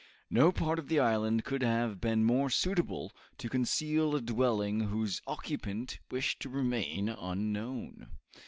No part of the island could have been more suitable to conceal a dwelling whose occupant wished to remain unknown.